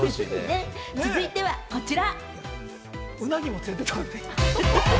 続いてはこちら。